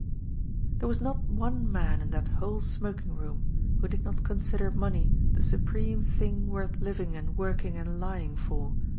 There was not one man in that whole smoking room who did not consider money the supreme thing worth living and working and lying for.